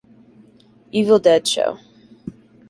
Evil Dead show.